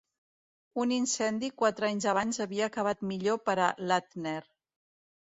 Un incendi quatre anys abans havia acabat millor per a Lattner.